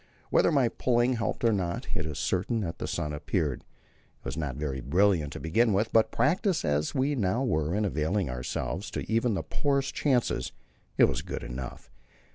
Whether my pulling helped or not, it is certain that the sun appeared. It was not very brilliant to begin with, but, practised as we now were in availing ourselves of even the poorest chances, it was good enough.